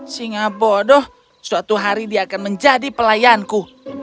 singa bodoh suatu hari dia akan menjadi pelayanku